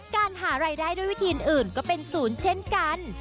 การหารายได้ด้วยวิธีอื่นก็เป็นศูนย์เช่นกัน